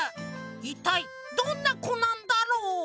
いったいどんなこなんだろう？